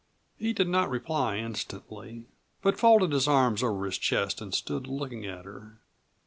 He did not reply instantly, but folded his arms over his chest and stood looking at her.